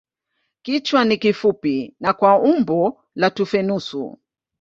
Kichwa ni kifupi na kwa umbo la tufe nusu.